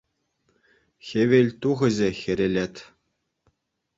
Хӗвелтухӑҫӗ хӗрелет.